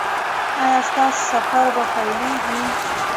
ایا ستاسو سفر به پیلیږي؟